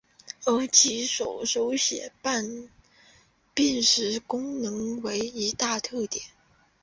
而其手写辨识功能为一大特点。